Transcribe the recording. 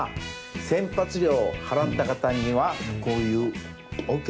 洗髪料を払った方にはこういうおけ。